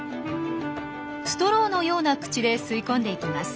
ストローのような口で吸い込んでいきます。